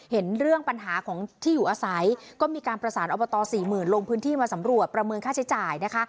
เห็นเรื่องปัญหาของที่อยู่อาศัยก็มีการประสานอบตสี่หมื่นลงพื้นที่มาสำรวจประเมินค่าใช้จ่ายนะคะ